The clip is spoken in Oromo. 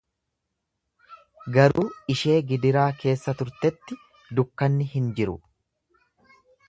Garuu ishee gidiraa keessa turtetti dukkanni hin jiru.